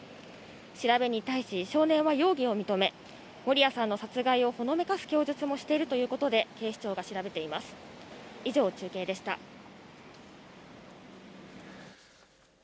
調べに対し、少年は容疑を認め、守屋さんの殺害をほのめかす供述もしているということで、警視庁が調べています。